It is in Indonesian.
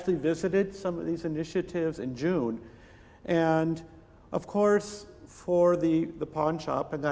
saya pikir ketika saya melawat beberapa inisiatif ini pada bulan juni